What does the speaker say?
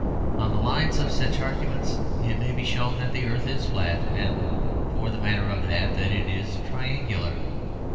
On the lines of such arguments it may be shown that the earth is flat, and, for the matter of that, that it is triangular.